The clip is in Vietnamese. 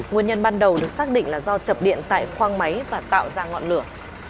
nguyên nhân ban đầu được xác định là do chập điện tại khoang máy và tạo ra ngọn lửa